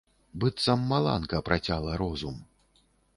Быццам маланка працяла розум.